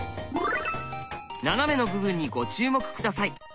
斜めの部分にご注目下さい。